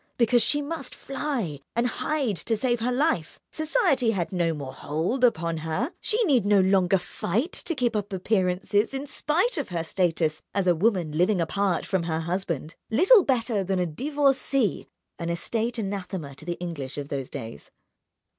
Because she must fly and hide to save her life, society had no more hold upon her, she need no longer fight to keep up appearances in spite of her status as a woman living apart from her husband, little better than a divorcée—an estate anathema to the English of those days.